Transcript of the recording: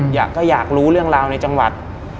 อยากก็อยากรู้เรื่องราวในจังหวัด